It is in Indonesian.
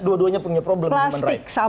dua duanya punya problem human rights